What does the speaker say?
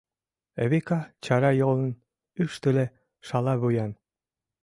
Эвика чарайолын, ӱштыле, шалавуян.